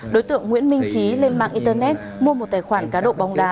đối tượng nguyễn minh trí lên mạng internet mua một tài khoản cá độ bóng đá